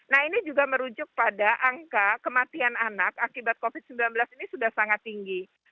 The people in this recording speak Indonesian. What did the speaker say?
nah ini juga merujuk pada angka kematian anak akibat covid sembilan belas ini sudah sangat tinggi